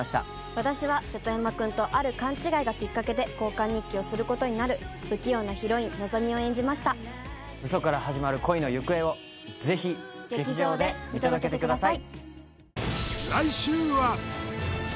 私は瀬戸山くんとある勘違いがきっかけで交換日記をすることになる不器用なヒロイン希美を演じましたウソから始まる恋の行方をぜひ劇場で見届けてください